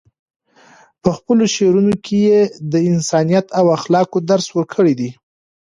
په خپلو شعرونو کې یې د انسانیت او اخلاقو درس ورکړی دی.